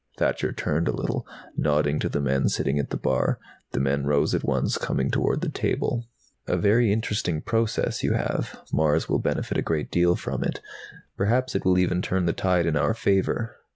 Thacher turned a little, nodding to the men sitting at the bar. The men rose at once, coming toward the table. "A very interesting process you have. Mars will benefit a great deal from it. Perhaps it will even turn the tide in our favor.